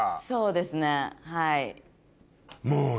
そうですねはい。